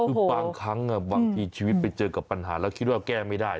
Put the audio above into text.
คือบางครั้งบางทีชีวิตไปเจอกับปัญหาแล้วคิดว่าแก้ไม่ได้